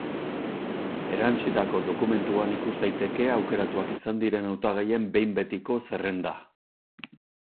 Erantsitako dokumentuan ikus daiteke aukeratuak izan diren hautagaien behin betiko zerrenda.